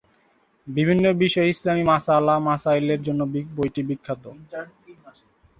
বিভিন্ন বিষয়ে ইসলামী মাসয়ালা-মাসাইলের জন্য বইটি বিখ্যাত।